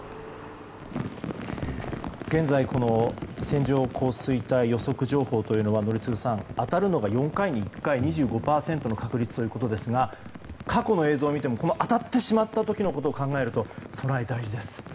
現在この線状降水帯予測情報は宜嗣さん当たるのが４回に１回、２５％の確率ということですが過去の映像を見ても当たってしまった時のことを考えると、備え大事です。